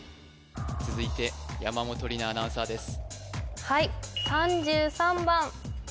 続いて山本里菜アナウンサーです